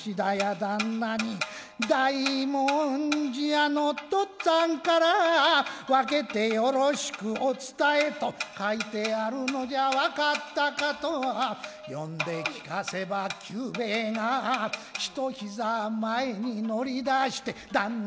旦那に大文字屋のとっつぁんからわけてよろしくお伝えと書いてあるのじゃわかったかと読んで聞かせば久兵衛が一膝前に乗り出して旦那